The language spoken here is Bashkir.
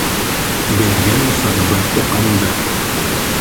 Беҙҙең усағыбыҙ тоҡанды!